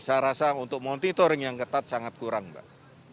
saya rasa untuk monitoring yang ketat sangat kurang mbak